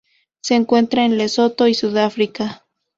Se encuentra en Lesoto y Sudáfrica.